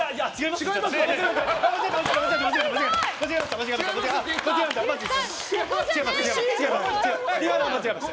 違います。